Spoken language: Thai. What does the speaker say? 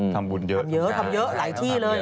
ทำบุญเยอะจริงทำเยอะหลายที่เลย